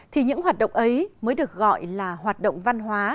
thì những hoạt động ấy mới được gọi là hoạt động văn hóa